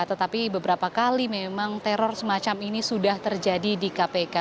tetapi beberapa kali memang teror semacam ini sudah terjadi di kpk